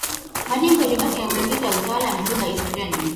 Majengo yaliyobaki ya magereza na utawala yamebeba historia nyumbulifu